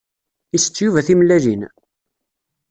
Isett Yuba timellalin?